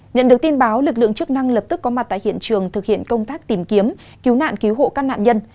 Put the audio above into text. nhận được tin báo lực lượng chức năng lập tức có mặt tại hiện trường thực hiện công tác tìm kiếm cứu nạn cứu hộ các nạn nhân